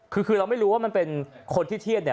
คือเราไม่รู้ว่ามันเป็นอย่างคนที่เทียน